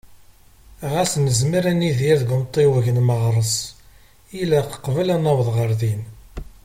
Ɣas nezmer ad nidir deg umtiweg n Meɣres, ilaq qbel ad naweḍ ɣer din.